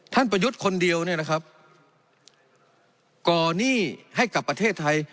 ประยุทธ์คนเดียวเนี่ยนะครับก่อหนี้ให้กับประเทศไทย